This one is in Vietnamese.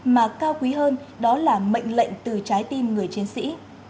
mà cao quý hơn đó là mệnh lệnh từ trái tim người chiến sĩ